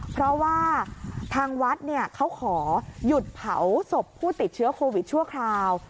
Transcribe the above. เพราะว่าทางวัดเขาขอหยุดเผาศพผู้ติดเชื้อโควิดชั่วคราว